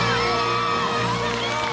やった！